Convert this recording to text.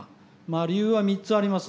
理由は３つあります。